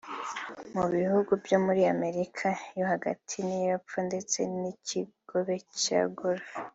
mu bihugu byo muri Amerika yo hagati n’iy’Epfo ndetse n’ikigobe cya Golf